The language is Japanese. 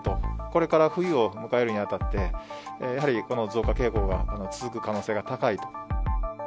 これから冬を迎えるにあたって、やはりこの増加傾向が続く可能性が高いと。